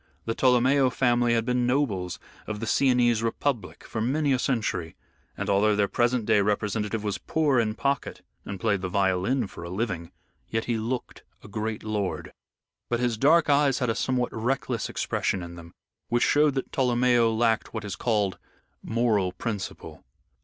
The Tolomeo family had been nobles of the Sienese Republic for many a century, and although their present day representative was poor in pocket and played the violin for a living, yet he looked a great lord. But his dark eyes had a somewhat reckless expression in them, which showed that Tolomeo lacked what is called moral principle.